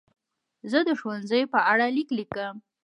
زه د ښوونځي په اړه لیک لیکم.